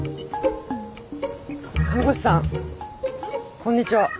看護師さんこんにちは。